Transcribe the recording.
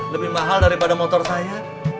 lebih mahal daripada motor saya